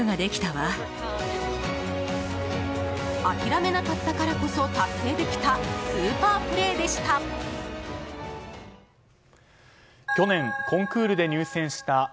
諦めなかったからこそ達成できたスーパープレーでした。